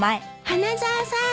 花沢さん。